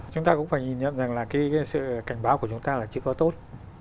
chúng ta cũng phải nhận rằng là cái sự cảnh báo của chúng ta là chỉ có tốt